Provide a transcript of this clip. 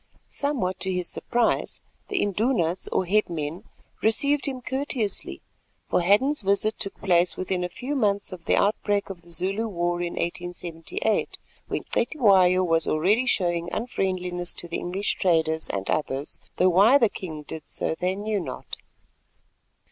Somewhat to his surprise, the Indunas or headmen, received him courteously—for Hadden's visit took place within a few months of the outbreak of the Zulu war in 1878, when Cetywayo was already showing unfriendliness to the English traders and others, though why the king did so they knew not.